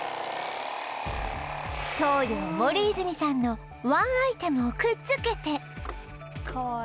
棟梁森泉さんのワンアイテムをくっつけて